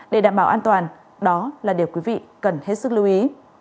để đảm bảo an toàn đó là điều quý vị cần hết sức lưu ý